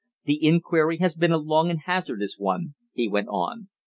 The inquiry has been a long and hazardous one," he went on.